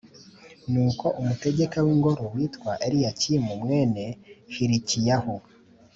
Nuko umutegeka w’ingoro witwa Eliyakimu mwene Hilikiyahu,